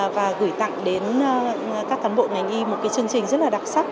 và gửi tặng đến các cán bộ ngành y một cái chương trình rất là đặc sắc